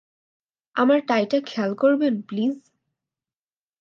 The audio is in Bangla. আমার টাইটা খেয়াল করবেন, প্লিজ?